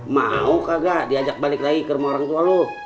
mau kagak diajak balik lagi ke rumah orang tua loh